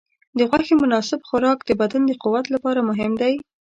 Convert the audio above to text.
د غوښې مناسب خوراک د بدن د قوت لپاره مهم دی.